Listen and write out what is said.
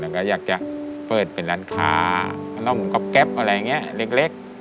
แล้วก็อยากจะเปิดเป็นร้านค้าขนมก๊อบแก๊ปอะไรอย่างนี้เล็ก